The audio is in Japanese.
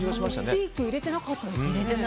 チーク入れてなかったですね。